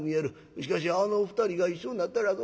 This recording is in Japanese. しかしあの２人が一緒になったらそらええ